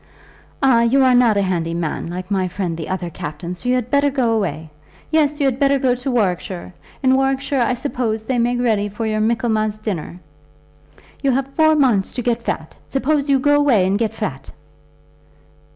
"Ah, you are not a handy man, like my friend the other captain, so you had better go away. Yes; you had better go to Warwickshire. In Warwickshire, I suppose, they make ready for your Michaelmas dinners. You have four months to get fat. Suppose you go away and get fat."